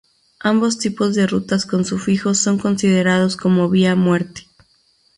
Ambos tipos de rutas con sufijos son considerados como "vía muerta".